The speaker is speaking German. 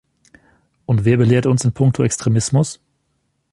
Und wer belehrt uns in punkto Extremismus?